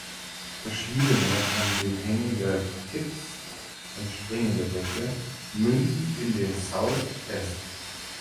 Verschiedene an den Hängen der Kipps entspringende Bäche münden in den South Esk.